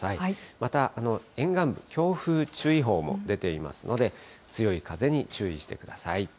また沿岸部、強風注意報も出ていますので、強い風に注意してください。